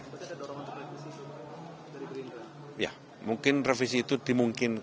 apakah ada dorongan revisi itu dari gerindra